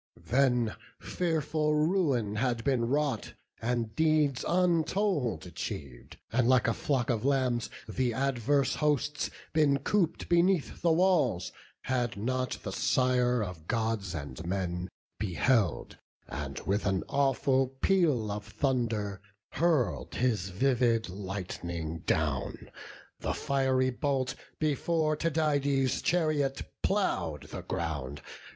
Then fearful ruin had been wrought, and deeds Untold achiev'd, and like a flock of lambs, The adverse hosts been coop'd beneath the walls, Had not the Sire of Gods and men beheld, And with an awful peal of thunder hurl'd His vivid lightning down; the fiery bolt Before Tydides' chariot plough'd the ground.